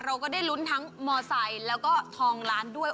เราก็ได้ลุ้นทั้งมอไซค์แล้วก็ทองล้านด้วย